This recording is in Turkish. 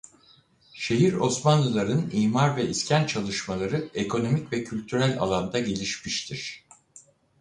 Şehir Osmanlıların imar ve iskan çalışmaları ekonomik ve kültürel alanda gelişmiştir.